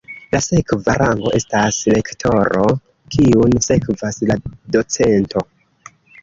La sekva rango estas lektoro, kiun sekvas la docento.